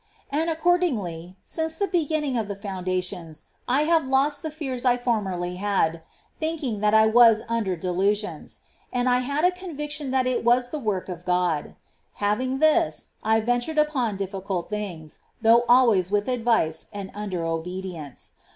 And accordingly, since the beginning of the founda tions, I have lost the fears I formerly had, thinking that I was under delusions, — and I had a conviction that it was the work of God : having this, I ventured upon difficult things, though always with advice and under obedience.